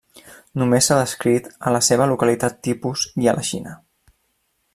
Només s'ha descrit a la seva localitat tipus i a la Xina.